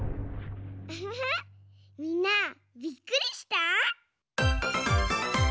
みんなびっくりした？